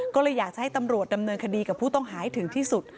ก็เลยอยากจะให้ตำรวจดำเนินคดีกับผู้ต้องหาให้ถึงที่สุด